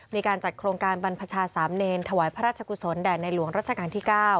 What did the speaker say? มีการจัดโครงการบรรพชาสามเนรถวายพระราชกุศลแด่ในหลวงรัชกาลที่๙